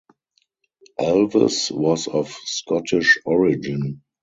Alves was of Scottish origin.